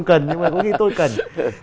có khi không cần có khi tôi cần